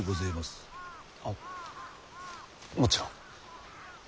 あもちろん。